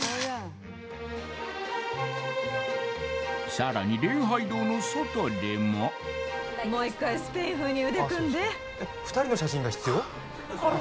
さらに礼拝堂の外でももう一回スペイン風に腕組んで２人の写真が必要？